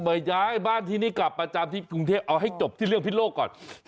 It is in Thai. ย้ายบ้านที่นี่กลับประจำที่กรุงเทพเอาให้จบที่เรื่องพิโลกก่อน